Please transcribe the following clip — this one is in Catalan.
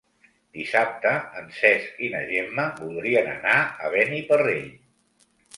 Dissabte en Cesc i na Gemma voldrien anar a Beniparrell.